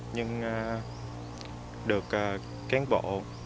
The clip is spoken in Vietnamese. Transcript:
nhưng được cán bộ